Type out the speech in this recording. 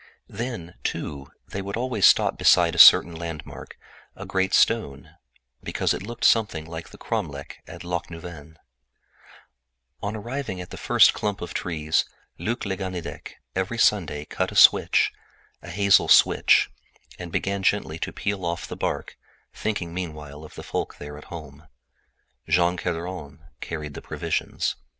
Then, too, they would always stop beside a certain landmark, a great stone, because it looked something like the cromlech at Locneuven. Every Sunday on arriving at the first clump of trees Luc le Ganidec would cut a switch, a hazel switch, and begin gently to peel off the bark, thinking meanwhile of the folk at home. Jean Kerderen carried the provisions.